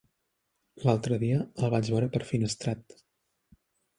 L'altre dia el vaig veure per Finestrat.